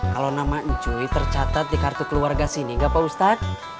kalau nama njui tercatat di kartu keluarga sini gak pak ustadz